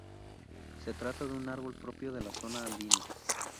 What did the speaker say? Se trata de un árbol propio de la zona andina.